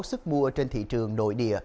sức mua trên thị trường nội địa